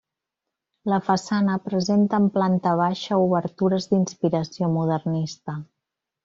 La façana presenta en planta baixa obertures d'inspiració modernista.